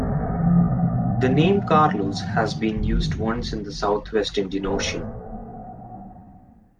The name Carlos has been used once in the South-West Indian ocean.